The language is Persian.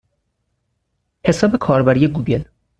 حساب کاربری گوگل